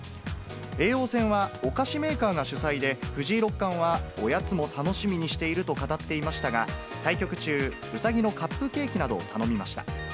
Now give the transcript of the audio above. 叡王戦はお菓子メーカーが主催で、藤井六冠はおやつも楽しみにしていると語っていましたが、対局中、うさぎのカップケーキなどを頼みました。